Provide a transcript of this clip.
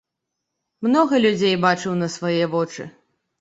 Многа людзей бачыў на свае вочы.